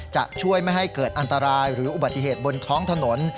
จะช่วยไม่ให้เกิดอันตรายหรืออุบัติเหตุบนท้องถนน